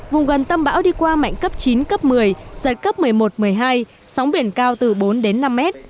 vùng gần tâm bão đi qua mạnh cấp chín cấp một mươi giật cấp một mươi một một mươi hai sóng biển cao từ bốn đến năm mét